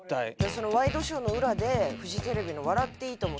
その『ワイドショー』の裏でフジテレビの『笑っていいとも！』